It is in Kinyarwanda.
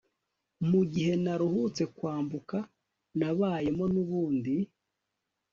mugihe naruhutse kwambuka nabayemo nubundi